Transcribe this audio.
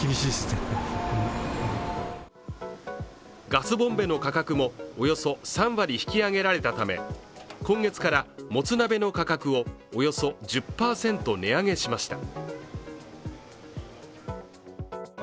ガスボンベの価格もおよそ３割引き上げられたため今月からもつ鍋の価格をおよそ１０％値上げしました。